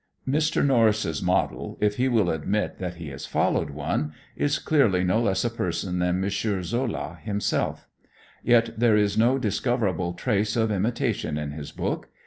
Mr. Norris' model, if he will admit that he has followed one, is clearly no less a person than M. Zola himself. Yet there is no discoverable trace of imitation in his book.